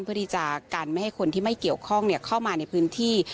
เพื่อที่จะกันไม่ให้คนที่ไม่เกี่ยวข้องเข้ามาในพื้นที่